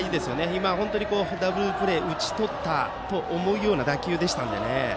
今、ダブルプレーを打ち取ったと思うような打球でしたので。